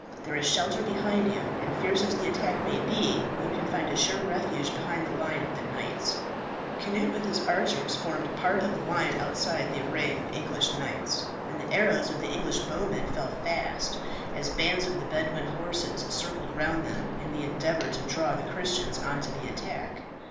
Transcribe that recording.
There is shelter behind you, and fierce as the attack may be, you can find a sure refuge behind the line of the knights." Cnut with his archers formed part of the line outside the array of English knights, and the arrows of the English bowmen fell fast as bands of the Bedouin horse circled round them in the endeavour to draw the Christians on to the attack.